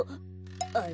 あれ？